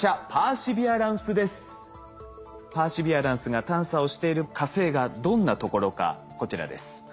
パーシビアランスが探査をしている火星がどんなところかこちらです。